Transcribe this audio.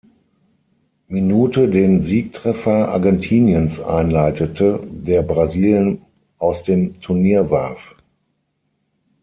Minute den Siegtreffer Argentiniens einleitete, der Brasilien aus dem Turnier warf.